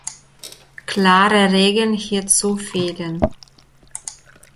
Klare Regeln hierzu fehlen.